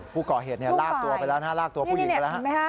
ผู้ก่อเหตุลากตัวไปแล้วนะลากตัวผู้หญิงไปแล้วฮะ